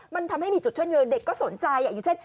มันทำให้มีจุดเชื่อมโยงเด็กก็สนใจอย่างเช่น